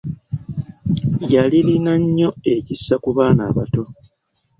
Yali lina nnyo ekisa ku baana abato.